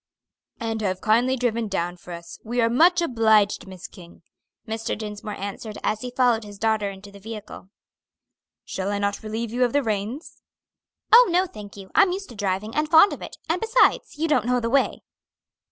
"And have kindly driven down for us. We are much obliged, Miss King," Mr. Dinsmore answered, as he followed his daughter into the vehicle. "Shall I not relieve you of the reins?" "Oh, no, thank you; I'm used to driving, and fond of it. And, besides, you don't know the way."